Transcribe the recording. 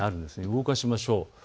動かしましょう。